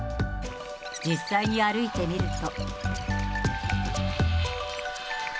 実際に歩いてみると。